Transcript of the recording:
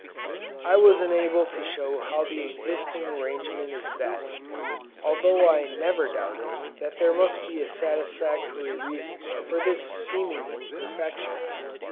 I was unable to show how the existing arrangement is best; although I never doubted that there must be a satisfactory reason for this seeming imperfection.